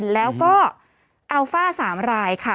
แล้วก็อัลฟ่า๓รายค่ะ